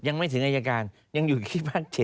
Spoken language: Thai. ยังไม่ถึงอายการยังอยู่ที่ภาค๗